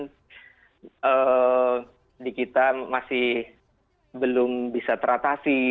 karena di kita masih belum bisa teratasi